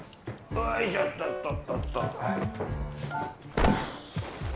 おいしょっとっとっと。